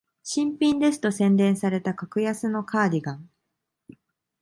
新品ですと宣伝された格安のカーディガン